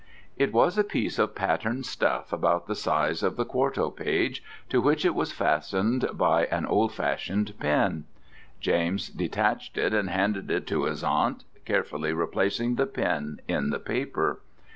It was a piece of patterned stuff about the size of the quarto page, to which it was fastened by an old fashioned pin. James detached it and handed it to his aunt, carefully replacing the pin in the paper.